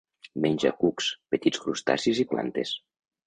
Menja cucs, petits crustacis i plantes.